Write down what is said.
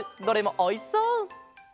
どれもおいしそう！